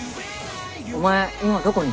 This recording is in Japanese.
お前今どこに？